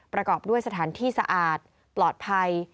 ประกอบด้วยสถานที่สะอาดปลอดภัย